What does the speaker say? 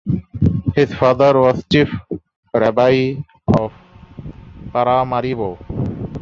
His father was chief rabbi of Paramaribo.